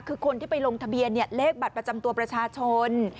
คือคนที่ไปลงทะเบียนเลขบัตรประจำตัวประชาชน